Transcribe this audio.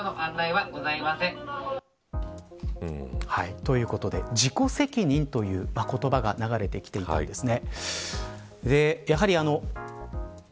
ということで自己責任という言葉が流れてきていたんですね。